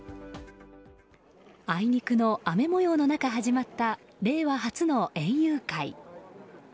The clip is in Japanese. あいにくの雨模様の中始まった令和初の園遊会。